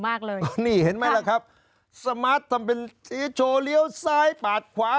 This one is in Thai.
มากเลยนี่เห็นไหมล่ะครับสมาร์ททำเป็นสีโชว์เลี้ยวซ้ายปาดขวา